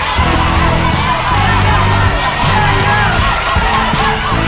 สุสัยเลย